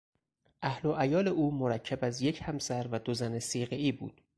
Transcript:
اهل و عیال او مرکب از یک همسر و دو زن صیغهای بود.